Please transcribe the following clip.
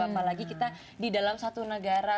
apalagi kita di dalam satu negara